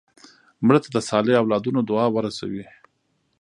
مړه ته د صالح اولادونو دعا ورسوې